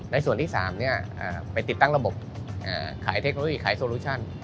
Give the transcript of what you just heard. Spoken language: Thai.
ส่วนที่๓ไปติดตั้งระบบขายเทคโนโลยีขายโซลูชั่น